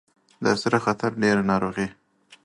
دا سره خطر ډیر ناروغۍ